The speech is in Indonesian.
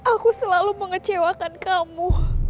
aku selalu mengecewakan kamu